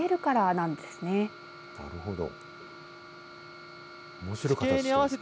なるほど。